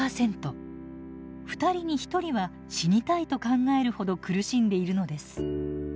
２人に１人は「死にたい」と考えるほど苦しんでいるのです。